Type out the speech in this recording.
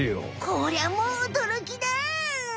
こりゃもうおどろきだ！